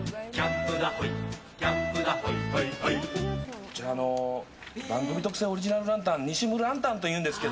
こちら、番組特製オリジナルランタンにしむランタンというんですが。